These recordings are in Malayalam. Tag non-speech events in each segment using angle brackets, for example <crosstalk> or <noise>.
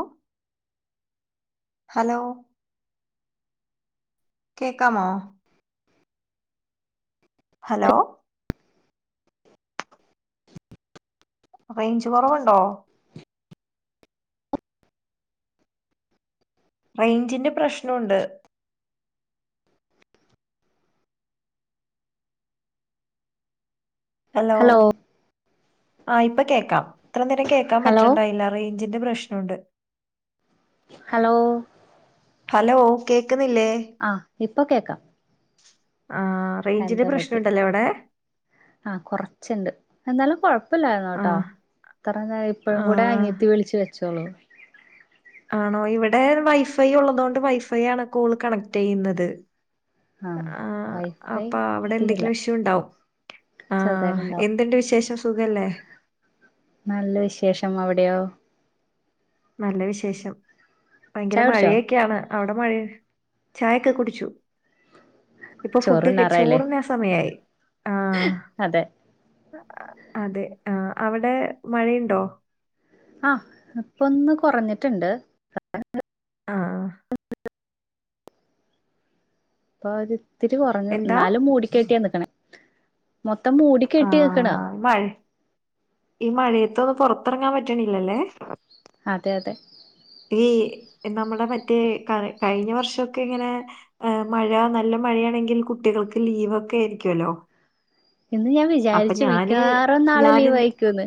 ഒഹ് ഹലോ കേക്കാമോ? ഹലോ റേഞ്ച് കൊറവുണ്ടോ? റയ്ഞ്ചിന്റെ പ്രശ്നമുണ്ട് ഹലോ ആ ഇപ്പൊ കേക്കാം. ഇത്ര നേരം കേൾക്കാൻ ഹലോ പറ്റണ്ടായില്ല റെയ്ഞ്ച് എന്റെ പ്രശ്നുണ്ട് ഹലോ ഹലോ കേൾ - ആ ഇപ്പൊ കേക്കാം ആ റേഞ്ചിന്റെ എന്താ പറ്റി പ്രശ്നുണ്ടല്ലോ അവിടെ- എന്താലൂ <unintelligible> കുഴപ്പല്ലായിുന്നോട്ടോ ആ ഇപ്പഴുകൂടെ അനിത്തി വിളിച്ച് വെച്ചോളൂ ആണോ ഇവിടെ വൈഫൈ ഉള്ളതു കൊണ്ട് വൈഫൈ ആണ് കോള് കണക്ട് യ്യുന്നത് ആഹ് ആ വൈഫൈ അപ്പൊ അവിടെ അധികല്ല എന്തെങ്കിലും വിഷയംണ്ടാവും ആ ചെറുതായിട്ടുണ്ടാവും എന്തുണ്ട് വിശേഷം സുഖല്ലേ നല്ല വിശേഷം അവിടെയോ നല്ല വിശേഷം ഭയങ്കര ചായ കുടിച്ചോ മഴയൊക്കെയാന്ന് അവിടെ മഴ ചായൊക്കെ കുടിച്ചു ഇപ്പൊ ഫുഡ് ചോറുണ്ണാറായില്ലേ ചോറിനാൻ സമയായി ആ അതെ അതെ ആ അവിടെ മഴയുണ്ടോ? ആ, ഇപ്പ ഒന്ന് കുറഞ്ഞിട്ടുണ്ട് ആ <unintelligible> ഇത്തിരി കുറഞ്ഞു എന്താ എന്നാലും മൂടി കെട്ടിയാ നിക്കണേ മൊത്തം മൂടി ആ കെട്ടി നിക്കണാ മഴ ഈ മഴയത്തൊന്ന് പൊറത്തിറങ്ങാ ൻ പറ്റണില്ലല്ലേ അതെ അതെ ഈ നമ്മുടെ മറ്റേ കഴിഞ്ഞ വർഷമൊക്കെ ഇങ്ങനെ മഴ നല്ല മഴയാണെങ്കിൽ കുട്ടികൾക്ക് ലീവൊക്കെ ആയിരിക്കുല്ലോ ഇന്ന് ഞാൻ വിചാരിച്ചു മിക്കവാറും നാളെ ഞാൻ ലീവ് അയിരിക്കൂന്ന്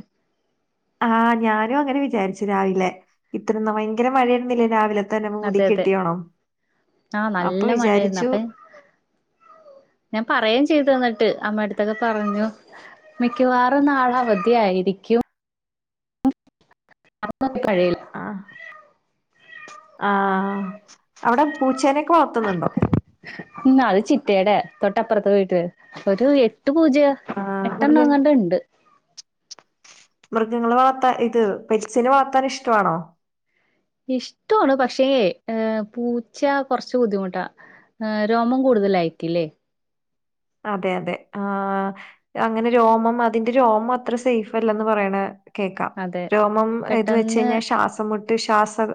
ആ ഞാനും അങ്ങനെ വിചാരിച്ചു രാവിലെ ഇത്ര ഭയങ്കര മഴയരുന്നില്ലേ രാവിലെ തന്നെ മൂടി അതെ അതെ കെട്ടിയോണം ആഹ അപ്പൊ നല്ല മഴയായിരുന്നു വിചാരിച്ചു അപ്പൊ ഞാൻ പറയായും ചെയ്തുന്നിട്ട പെട്ടന്ന് അമ്മടുത്തൊക്കെ പറഞ്ഞു മിക്കവാറും നാളെ അവധിയ ആയിരിക്കും അ <inaudible> കഴിയും ആ അവിടെ പൂച്ചേനൊക്കെ വളർത്തുന്നുണ്ടോ? ഉ അത് ചിറ്റേടെ തൊട്ടപ്പുറത്ത് പോയിട്ട് ഒരു എ എത്ര പൂച്ചയാ ആഹ് മൃഗ എട്ടെണ്ണംഎങ്ങാണ്ട ഉണ്ട് മൃഗങ്ങള് വളർത്ത ഇത് പെറ്റ്‌സിനെ വളർത്താൻ ഇഷ്ടമാണോ ഇഷ്ടമാണ് പക്ഷേ പൂച്ച കുറച്ച് ബുദ്ധിമുട്ടാ രോമം കൂടുതലായിക്കല്ലേ അതെ അതെ ആ അതിന്റെ രോമം അത്ര സേഫ് അല്ലെന്ന്പറയണ കേൾക്കാം അതെ രോമം ഇത് വെച്ച് പെട്ടെന്ന് കഴിഞ്ഞാൽ ശ്വാസംമുട്ട ഇത് ശ്വാസക്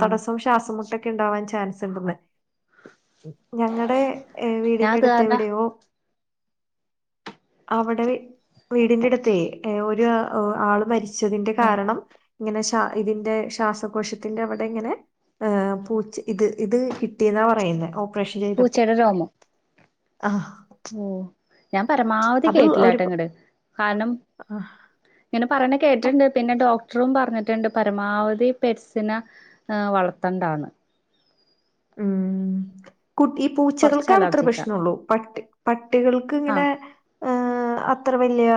ആഹ് ശ്വാസം മുട്ട് ഓക്കേ ഉണ്ടാവാൻ ചാൻസ് ഉണ്ടെന്ന്. ഞങ്ങളുടെ ഏഹ് ഞാൻ വീടിന്റെ അത് അടുത്ത് ത് കാരണം എവിടെയോ അവിടെ വീ വീടിന്റെടൂത്തേ ഏഹ് ഒരു ആള് മരി ച്ചതിന്റെ ആഹ് കാരണം ഇങ്ങനെ ശ ഇതിന്റെ ശ്വാസകോശത്തിന്റെ അവിടെ ഇങ്ങനെ പൂച്ച ഇത് ഇത് കിട്ടിയെന്നാ പറയുന്നെഓ പൂച്ചയുടെ രോമം ആഹ് ഓഹ് ഞാൻ പരമാവധി അത് ഒരു കേട്ടില്ലാട്ട പ- ഇങ്ങട് കാരണം ആ, ഇങ്ങനെ പറയ അപ്പം, കേട്ടിട്ടുണ്ട് പിന്നെ ഡോ ക്ടറും പറഞ്ഞിട്ടുണ്ട് പരമാവധി പെറ്റ്സിന വളർത്തണ്ടാണ് ഉം ഹ് കുട്ടി ഈ കുറച്ച് പൂച്ചകൾക്കാണ് അത്രേ അലർജിക്കാ പ്രശ്നംള്ളൂ പട്ടി പ ആ ട്ടികൾക്കിങ്ങനെ ഹ അത്ര വലിയ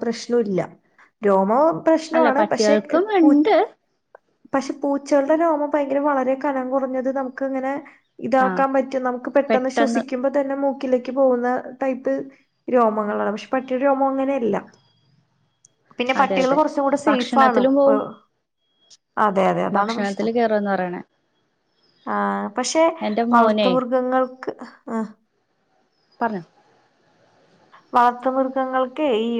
പ്രശ്നവും ഇല്ല രോമോ അല്ല പ്രശ്നമാണ് പക്ഷെ പട്ടികൾക്കും ഉണ്ട് പക്ഷെ പൂച്ചകളുടേരോമം ഭയങ്കര വളരെ കനം കുറഞ്ഞത് നമു ക്ക്ങ്ങനെ ആ ഇതാക്കാൻ പറ്റും നമുക്ക് പെട്ടെന്ന് ശ്വസിക്കുമ്പോ തന്നെ മൂ മൂക്കിലേക്ക് പോകുന്ന ടൈപ്പ് രോമങ്ങളാണ് പക്ഷെ പട്ടിയുടെ രോമം അങ്ങനെയല്ല പിന്നെ അതെ പട്ടികള് അതെ കുറച്ചും കൂടെ സേഫ് ആണ് <inaudible> അതാണ് ഭക്ഷണത്തില് കേറുമെന്ന് പറയണെ ആഹ് പക്ഷെ വളർത്ത് മൃഗങ്ങൾക്ക് അ പർഞ്ഞൊ വളർത്തുമൃഗങ്ങൾക്ക് ഈ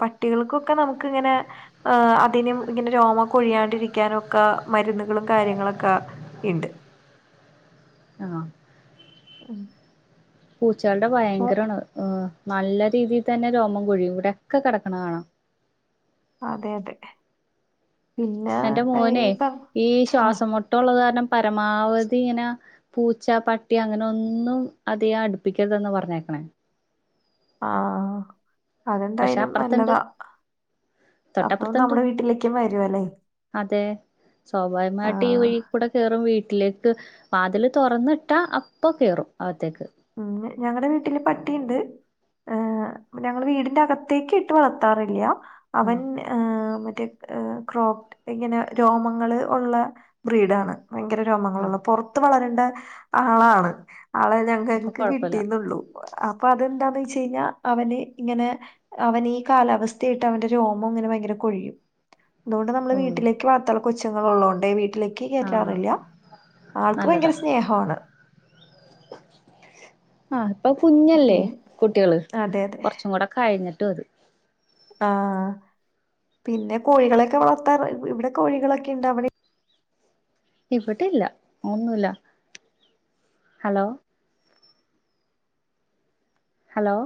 പട്ടികൾക്കൊക്കെ നമുക്ക് ഇങ്ങനെ ഏ അതിനും ഇങ്ങനെ രോമക്കൊഴിയാണ്ടിരിക്കാനൊക്കെ മരുന്നുകളും കാര്യങ്ങളൊക്കെ ഇണ്ട്. ആ <inaudible> പൂ ച്ചൾടെ ഭയങ്കരാണ് ഓ നല്ല രീതിൽ തന്നെ രോമം കൊഴിയും ഇവിടെൊക്കെ കിടക്കണ കാണാം അതെ അതെ പിന്നെ എന്റെ ഈ മോനെ പറഞ്ഞ ഈ ആഹ് ശ്വാസം മുട്ടള്ളത് കാരണം പരമാവധി ഇങ്ങനെ പൂച്ച, പട്ടി അങ്ങനെ ഒന്നും അധിയാ അടുപ്പിക്കരുതന്ന് പറഞ്ഞേക്കണേ ആഹ പക്ഷെ അതെന്തായാലും അപ്പുറത്തുണ്ട് നല്ലതാ അപ്പൊ തൊട്ടപ്പുറത്തുണ്ട് നമ്മുടെ വീട്ടിലേക്കും വരും അല്ലേ? അതെ സ്വാഭാവികമായിട്ട് ഈ വഴീൽ കൂടെ കയറും വീട്ട് വീട്ടിലേക്ക് വാതിൽ തുറന്നിട്ടാ അപ്പൊ കേയറും അകത്തേക്ക് ഉ ഞങ്ങളടെ വീട്ടില് പട്ടിയുണ്ട് ഞങ്ങൾ വീടിന്റെ അകത്തേക്ക് ഇട്ട് വളർത്താറില്ല ആ അവൻ മറ്റ ക്രോപ ഇങ്ങനെ രോമങ്ങള്ൾ ഉള്ള ബ്രീഡാണ് ഭയങ്കര ആ രോമങ്ങളള്ള പുറത്ത വളര എ ആളാണ് ആളു അപ്പൊ എനക്ക് കൊഴപ്പില്ല കിട്ടീന്നള്ളൂ അപ്പൊ അതെന്താന്ന് വെച്ച് കഴിഞ്ഞാൽ ഈ കാലാവസ്ഥയായിട്ട് അവന്റെ രോമം ഇങ്ങനെ ഭയങ്കര കൊഴിയും അതുകൊണ്ട് നമ്മള് ഓ വീട്ടിലേക്ക് വളർത്തണം കൊച്ചുങ്ങള ഉള്ളണ്ട് വീട്ട വീട്ടിലേക്ക് ആ കയറ്റാറില്ല ആൾക്ക് നല്ലതാ ഭയങ്കര സ്നേഹമാണ് ആ ഇപ്പൊ കുഞ്ഞല്ലേ പിന്നെ കുട്ടികള് അതെ കുറച്ചും കൂടെ കഴിഞ്ഞിട്ട്- കിട്ടും അത് ആഹ പിന്നെ കോഴികളൊക്കെ വളർത്താറ് ഇവിടെ കോഴികളൊക്കെ ഇണ്ട അവിടെ ഇവിടില്ല ഒന്നുല്ല ഹലോ ഹലോ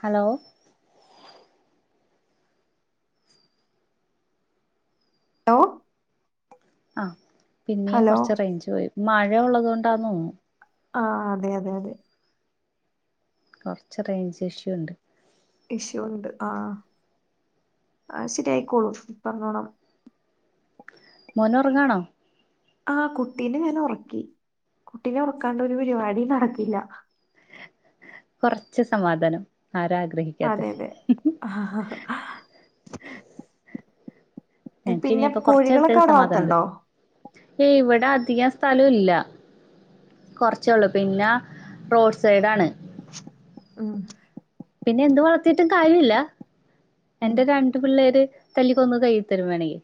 ഹലോ ഹലോ ആ പിന്നേ ഹലോ കുറച്ച് റേഞ്ച് പോയി മഴ ഉള്ളത് കൊണ്ടന്നുതോന്നണു ആഹ അതെ അതെ അതെ കൊറച്ച റേഞ്ച് ഇഷ്യൂ ഇഷ്യൂ ഒണ്ട് ആഹ് ആ ശരി ആയിക്കോളും ഇപ്പ ഒറങ്ങണം മോന് ഒറങ്ങുവാണോ ആഹ് കുട്ടീന ഞാൻ ഒറക്കി കുട്ടീന ഒറക്കാണ്ട് ഒരു പരിപാ ടീം നടക്കില്ല കൊറച്ച് സമാധാനം ആരാ ആഗ്രഹിക്കാത്തെ അതെ അതെ ആ, ഞങ്ങക്ക് പിന്നെ ഇനിയിപ്പോ കോഴികളൊക്ക അവിടെ വളർത്തുന്നുടോ ഇവ്ട അധികം സ്ഥലോ ഇല്ല കൊറച്ചേ ഒള്ളൂ. പിന്ന റോഡ് സൈഡ് ആണ് ഉം പിന്നെ എന്ത് വളത്തീട്ടും കാര്യ ഇല്ല ഉം. എന്റെ രണ്ടു പിള്ളേര് തല്ലിക്കൊന്ന് കയ്യിതരും വേണെങ്കി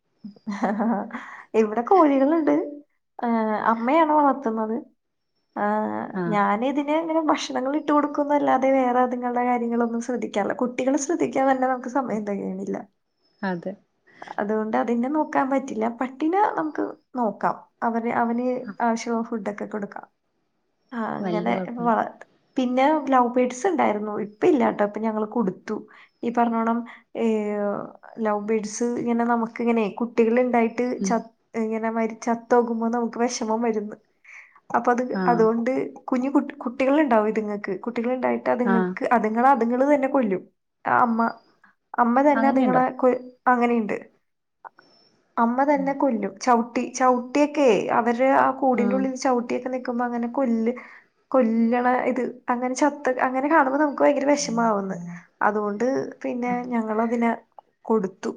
ഇവിടെ കോഴികളുണ്ട് അമ്മയാണ് വളർത്തുന്നത് ആ അ ആഹ് ഞാനിതിന് ഇങ്ങനെ ഭക്ഷണങ്ങൾ ഇട്ട് കൊടുക്കുന്നല്ലാതെ വേറെ അതുങ്ങൾട കാര്യങ്ങളൊന്നും ശ്രദ്ധിക്കാറില്ല. കുട്ടികള് ശ്രദ്ധിക്കാൻതന്ന നമുക്ക് സമയം തെകയണില്ല അതെ ഇത്‌ നെ നോക്കാൻ പറ്റില്ല. പട്ടീന നമുക്ക് നോക്കാം അവ അവന് ആവശ്യൊള്ള ഫുഡ് ക്കെ കൊടുക്കാം ആഹ് അങ്ങനെ വല്യ ഇപ്പൊ കൊഴപ്പല്ല വളർത്ത് പിന്നെ ലവ് ബേഡ്സ് ഇണ്ടാരുന്നു. ഇപ്പ ഇല്ലാട്ടോ ഇപ്പ ഞങ്ങള് കൊടുത്തു. ഈ പറഞ്ഞോണം ഈ ഓ ലവ് ബേഡ്സ് ഇങ്ങന നമു ക്ക്ങ്ങനെ കുട്ടികള്ൺ ഇതായിട്ട് ഉം ചത് ഇങ്ങനെ മരി ചത്തോകുമ്പോ നമുക്ക് വെഷമം വര്ന്ന് അപ്പ അത് ആഹ് അതുകൊണ്ട് കുഞ്ഞു കുട്ട് കുട്ടികള്ണ്ടാവും ഇതുങ്ങക്ക് കുട്ടികള്ണ്ടായിട്ട് ആഹ് അത്ങ്ങക്ക് അത്ങ്ങളാണ് അതുങ്ങള് തന്നെ കൊല്ലും ആ അമ്മ അമ്മ തന്ന അങ്ങനെയുണ്ടോ അതുങ്ങളെ കൊ അ അങ്ങനെ ഇണ്ട് അമ്മ തന്ന കൊല്ലും ചവിട്ടി ചവിട്ടിയൊക്കെ അവര് ര്ആ കൂടിന്റെ ആഹ് ഉള്ളിൽ ചവിട്ടിയൊക്കെ നി ക്ക്മ്പ അങ്ങനെ കൊല്ല് കൊല്ലണ ഇത് അങ്ങനെ ചത്ത അങ്ങനെ കാണുമ്പോ നമുക്ക് ഭയങ്കര വെഷമാവ് ന്ന്. അതുകൊണ്ട് പിന്നെ ഞങ്ങളതിന കൊടുത്തു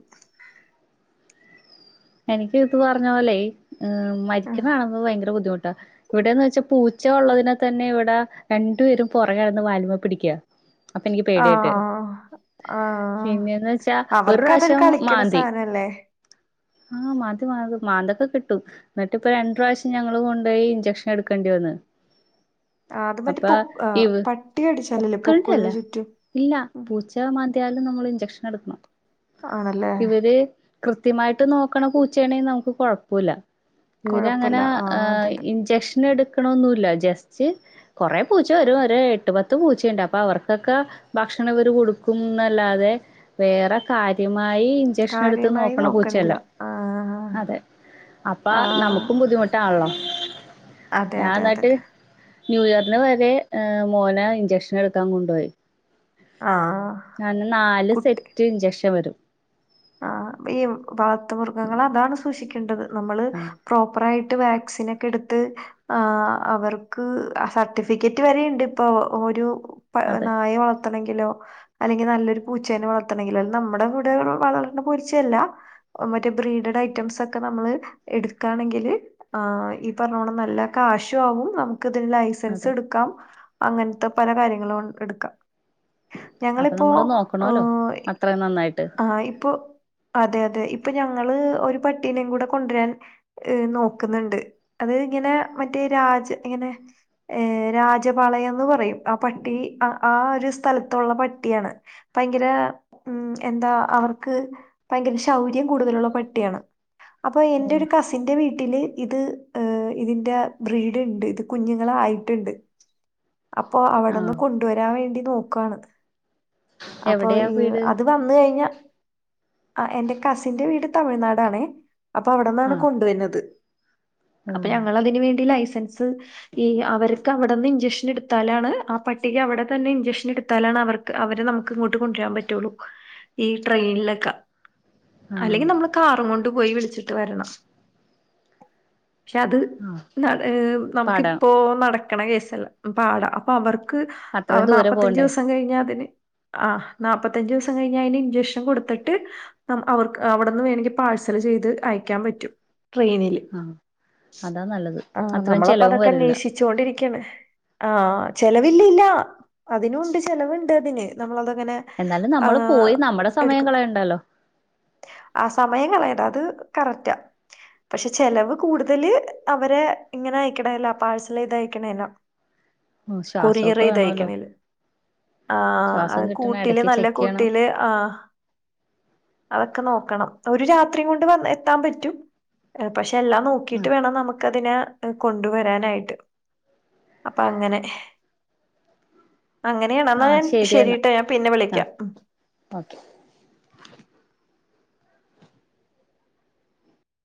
എനിക്ക് ഇത് പറഞ്ഞ പോലെ ആഹ് മരിക്കണ കാണുമ്പ ഭയങ്കര ബുദ്ധിമുട്ടാ ഇവിടെന്ന് വെച്ചാ പൂച്ച ച്ച ഉള്ളതിനെ തന്നെ ഇവിടെ രണ്ടു പേരും പൊറകെ നടന്ന് വാല്മ്മേ പിടിക്ക അപ്പൊ എനിക്ക് പേടിയായിട്ട് ആഹ് ആഹ് ആഹ് ആഹ് പിന്നെന്ന് വെച്ചാ ഒരു അവർക്കതൊരു പ്രാവശ്യം കളിക്കണ മാന്തി സാധനല്ലേ ആഹ് മന്തി മാന്ത്‌ മാന്തൊക്കെ കിട്ടും എന്നിട്ട് ഇപ്പൊ രണ്ട് പ്രാവശ്യം ഞങ്ങള് കൊണ്ട്പോയി ഇഞ്ചക്ഷൻ എടുക്കേണ്ടി വന്ന് ആ, അത് മറ്റേ അപ്പ പൊ ആ, ഇവ് പട്ടി കടിച്ചാലല്ലേ പൊക്കിളിന് പൊക്ക്ൾന്റെല്ല ചുറ്റും ഇല്ല ഉം. പൂച്ച മാന്തിയാലും നമ്മള് ഞ്ചെക്ഷനെടുക്കണം ആണല്ലേ കൃത്യമായി വീട്ടില് നോക്കണ പൂച്ചേണേ നമുക്ക് കൊഴപ്പൊല്ല ഇവര് അങ്ങനെ കൊഴപ്പില്ല ആഹ് അതെ അതെ ഇഞ്ചക്ഷൻ എടുക- കുഴപ്പമില്ല ജസ്റ്റ് കൊറെ പൂച്ച വരും ഒര് എട്ട് പത്ത് പൂച്ചയുണ്ട് അപ്പൊ അവർക്കൊക്കെ ഭക്ഷണം അവര് കൊടുക്കുംന്നല്ലാതെ വേറെ കാ കൃത്യമായി ഇഞ്ചക്ഷൻ എടുത്ത് കാര്യമായി നോക്കണ പൂ ചെല നോക്കണില്ല ആഹ് അതെ അപ്പ ആഹ് നമുക്കും ബുദ്ധിമുട്ടാണല്ലോ അതെ അതെ അതെ ന്യൂയർന് വരെ ആഹ് ഉം ആഹ് അന്ന് നാല് സെറ്റ് ഇഞ്ചക്ഷൻ വരും ആ ഈ വളർത്തുമൃഗങ്ങളതാണ് സൂക്ഷിക്കേണ്ടത് നമ്മള് ആ പ്രോപ്പറായി- ട്ട് വാക്സിനൊക്കെട്ത്ത് അ അവർക്ക് സർട്ടിഫിക്കറ്റ് വരെണ്ട് പ്പൊ ഒരു ഉപ്പ അതെ നായെ വളർ ത്തണങ്കിലോ അല്ലെങ്കിൽ നല്ലൊരു പൂച്ചേന വളർത്തണെങ്കിലോ നമ്മട കൂടെ വളർ നമ്മടെ പൂച്ച അല്ല മറ്റേ ബ്രീഡഡ് ഐറ്റംസ് ഒക്കെ നമ്മൾ എടുക്കാണെങ്കിൽ ഈ പർഞ്ഞോണം നല്ല കാശുആവും നമ്- ഇതിന് അതെ ലൈസൻസെടുക്കാം അങ്ങനെതെ പല കാര്യങ്ങളും ഓന്ക്ക്ട്ക്കാം അപ്പൊ ഞങ്ങളിപ്പോ നമ്മള് ഓ നോക്കണല്ലോ അത്രയും നന്നായിട്ട് ആയ് പ്പോ <inaudible> അതെ അതെ ഇപ്പൊ ഞങ്ങള് ഒരു പട്ടീനേം കൂടെ കൊണ്ടരാൻ നോക്കുന്നുണ്ട് അത് മറ്റേരാജപാളയംന്ന് പറയും ആ പട്ടി ആ ഒരു സ്ഥലത്തുള്ള പട്ടിയാണ് ഭയങ്കര ഉം എന്താ അവർക്ക്- ഭയങ്കര ശൗര്യം കൂടുതലുള്ള പട്ടിയാണ് അപ്പൊ എന്റെ ഒരു കസിന്റെ വീട്ടില് ഇത് ഇതിന്റെ ബ്രീഡ്ണ്ട് ഇത് കുഞ്ഞുങ്ങളായിട്ട്ണ്ട് അപ്പൊ ആഹ അവിടെന്ന് കൊണ്ടുവരാൻ വേണ്ടി- നോക്കുവാണ് അപ്പൊ എവിടെയാ വീട് അത് വന്ന് കഴിഞ്ഞ ആഹ് എന്റെ കസിന്റെ വീട് തമിഴ്നാടാണേ അപ്പവിടെന്നാണ് ആഹ കൊണ്ടുവരുന്നത് ഓ അപ്പ ഞങ്ങൾതിന് വേണ്ടി ലൈസ ഈ അവർക്കവിടെന്ന് ഇൻചെക്ഷനെടുത്താലാണ് ആ പട്ടിക്കവിടെ തന്നെ ഇൻചക്ഷനെടുത്താലാണ് അവർക്ക് അവരെ നമുക്കിങ്ങോട്ട് കൊണ്ടുവരാൻ പറ്റുള്ളൂ ഈ ട്രെയിനി <inaudible> ആഹ അല്ലെങ്കി നമ്മള് കാറും കൊണ്ട് പോയി വിളി വച്ചിട്ട് വരണം പക്ഷെ അത് ആ പാടാണ് നമുക്കിപ്പോ നട ക്കണ കേസ്സല്ല അത് പാടാ അപ്പ അവർ ക്ക് അപ്പ അത്രയും ദൂരെ പോകണ്ടേ നാപ്പത്തഞ്ച്ദിവസം കഴിഞ്ഞ അതിന് ആ നാപ്പത്തഞ്ച് ദിവസം കഴിഞ്ഞ അയിന് ഇഞ്ചെക്ഷൻ കൊട്ത്ത് ട്ട് അവർക്ക് അവിട്ന്ന് വേണങ്കി പാഴ് സല് ചെയ്ത് അയക്കാൻ പറ്റും ട്രെയിനില്. ആ അതാ നല്ലത് ആ അത്രയും ചെലവും നമ്മളപ്പതക്കെ വരില്ല അന്വേഷിച്ച് കൊണ്ടിരിക്കാണ്. ആ ചെലവില്ലില്ല അതിനുണ്ട് ചെലവ് ണ്ട് അതിന് നമ്മൾ അത് അങ്ങനെ എന്നാലും ആ നമ്മള് പോയി നമ്മുടെ സമയം എടുക്കുന്നു. കളയണ്ടല്ലോ ആ സമയം കളയണ്ട. അത് കറക്റ്റാ പക്ഷെ ചെലവ് കൂടുതല് അവരെ ഇങ്ങനെ അയ്ക്ക്ണേല പാഴ്സലെയ്ത് അയ്ക്ക്ണേല. ശ്വാസമൊക്കെ വേണല്ലോ കൊറിയറ്യ്തയക്ക്ണേല് ശ്വാസം അത് കിട്ടണം കൂട്ടില് ഇടക്ക് നല്ല ചെക്ക് ചെയ്യണം കൂട്ടില് ആ അതക്കെ നോക്കണം ഒരു രാത്രി കൊണ്ട് വന്ന് എത്താൻപറ്റും പക്ഷെ എല്ലാം ആ നോക്കിട്ട് വേണം നമുക്കതിനെ കൊണ്ടുവരാനായിട്ട് അപ്പ അങ്ങനെ ആ അങ്ങനെയാണന്നാ ഞാൻ ശരി എന്നാ ശരിട്ടാ ഞാൻ പിന്നെ ആ വിളിക്കാം ഓക്കെ